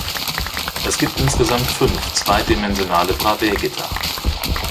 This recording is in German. Es gibt insgesamt fünf zweidimensionale Bravais-Gitter.